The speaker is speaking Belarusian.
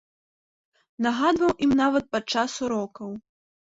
Нагадваў ім нават падчас урокаў.